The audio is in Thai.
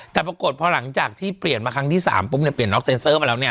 แต่ปรากฏพอหลังจากที่เปลี่ยนมาครั้งที่๓ปุ๊บเนี่ยเปลี่ยนน็อกเซ็นเซอร์มาแล้วเนี่ย